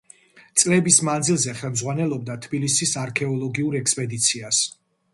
წლების მანძილზე ხელმძღვანელობდა თბილისის არქეოლოგიურ ექსპედიციას.